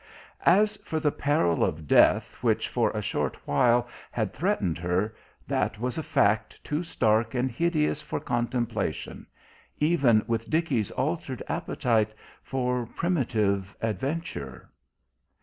As for the peril of death which for a short while had threatened her, that was a fact too stark and hideous for contemplation: even with Dickie's altered appetite for primitive adventure....